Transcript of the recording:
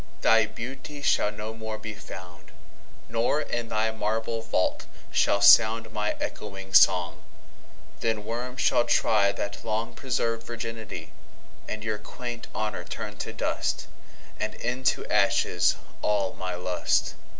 Thy Beauty shall no more be found; Nor, in thy marble Vault, shall soundMy ecchoing Song: then Worms shall tryThat long preserv'd Virginity:And your quaint Honour turn to dust; And into ashes all my Lust.